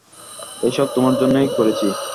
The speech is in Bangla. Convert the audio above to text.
এসব তোমার জন্যই করেছি।